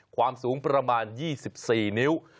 ความสูงประมาณ๒๔นิ้ว